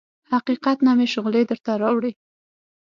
حقیقت نه مې شغلې درته راوړي